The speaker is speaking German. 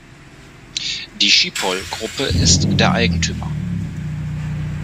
Die Schiphol-Gruppe ist der Eigentümer.